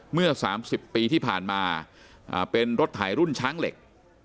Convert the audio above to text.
เมื่อ๓๐ปีที่ผ่านมาเป็นรถถ่ายรุ่นช้างเหล็ก